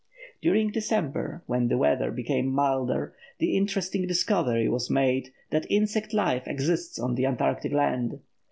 During December, when the weather became milder, the interesting discovery was made that insect life exists on the Antarctic land.